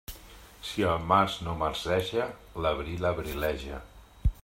Si el març no marceja, l'abril abrileja.